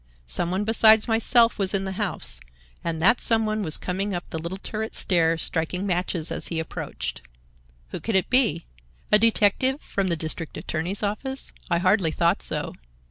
Some one besides myself was in the house, and that some one was coming up the little turret stair, striking matches as he approached. Who could it be? A detective from the district attorney's office? I hardly thought so.